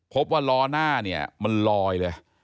พบว่าล้อหน้ามันลอยเลย